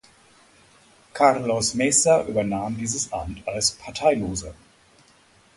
Carlos Mesa übernahm dieses Amt als Parteiloser.